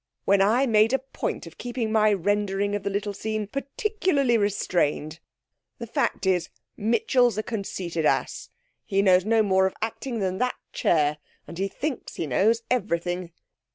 When I made a point of keeping my rendering of the little scene particularly restrained! The fact is, Mitchell's a conceited ass. He knows no more of acting than that chair, and he thinks he knows everything.'